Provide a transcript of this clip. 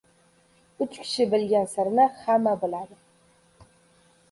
• Uch kishi bilgan sirni hamma biladi.